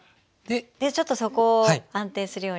でちょっと底を安定するように。